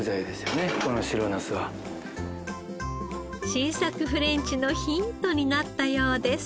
新作フレンチのヒントになったようです。